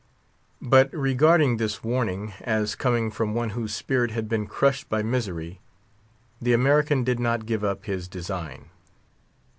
But, regarding this warning as coming from one whose spirit had been crushed by misery the American did not give up his design.